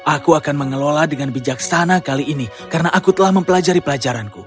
aku akan mengelola dengan bijaksana kali ini karena aku telah mempelajari pelajaranku